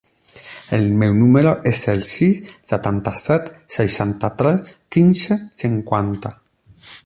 El meu número es el sis, setanta-set, seixanta-tres, quinze, cinquanta.